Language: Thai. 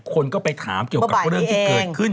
คนก็ไปถามเกี่ยวกับเรื่องที่เกิดขึ้น